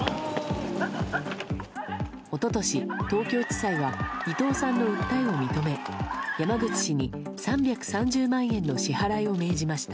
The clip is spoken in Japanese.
一昨年、東京地裁は伊藤さんの訴えを認め山口氏に３３０万円の支払いを命じました。